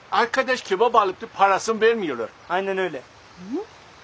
ん？